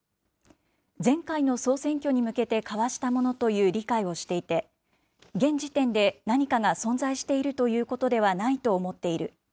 前回の総選挙に向けて交わしたものという理解をしていて、現時点で何かが存在しているということではないと思っている。